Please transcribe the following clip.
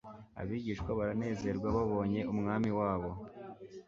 Abigishwa baranezerwa babonye Umwami wabo.